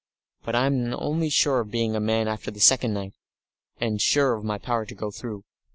But I'm only sure of being a man after the second night, and sure of my power to go through."